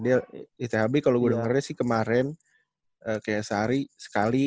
dia ithb kalau gue dengarnya sih kemarin kayak sehari sekali